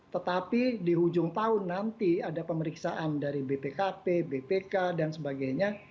tetapi di ujung tahun nanti ada pemeriksaan dari bpkt bpk dan sebagainya